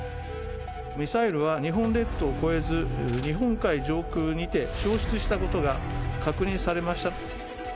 ミサイルは日本列島を越えず、日本海上空にて消失したことが確認されました。